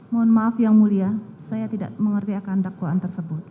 mohon maaf yang mulia saya tidak mengerti akan dakwaan tersebut